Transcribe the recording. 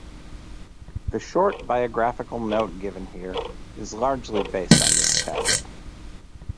The short biographical note given here is largely based on this text.